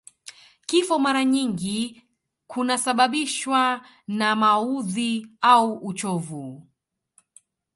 Kifo mara nyingi kunasababishwa na maudhi au uchovu